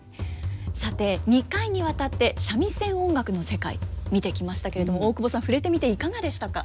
さて２回にわたって三味線音楽の世界見てきましたけれども大久保さん触れてみていかがでしたか。